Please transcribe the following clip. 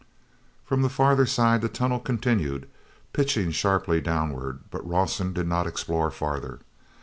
From the farther side the tunnel continued, pitching sharply downward, but Rawson did not explore farther.